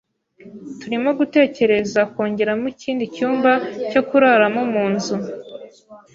Turimo gutekereza kongeramo ikindi cyumba cyo kuraramo munzu.